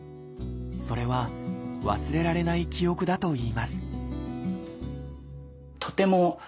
それは忘れられない記憶だといいます